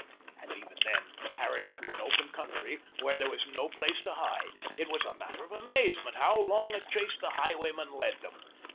And even then, harried through an open country, where there was no place to hide, it was a matter of amazement how long a chase the highwayman led them.